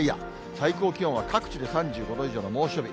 最高気温は各地で３５度以上の猛暑日。